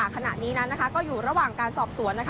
ขณะนี้นั้นก็อยู่ระหว่างการสอบสวน